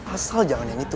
asal jangan yang itu